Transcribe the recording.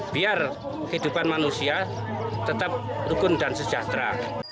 biar kehidupan manusia tetap rukun dan sejahtera